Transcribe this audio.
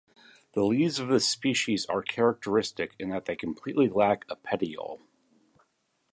The leaves of this species are characteristic in that they completely lack a petiole.